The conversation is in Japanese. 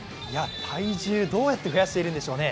体重どうやって増やしているんでしょうね。